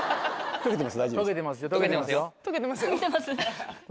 溶けてます？